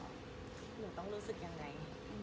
หนูต้องรู้สึกยังไง